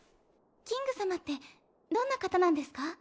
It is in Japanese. キング様ってどんな方なんですか？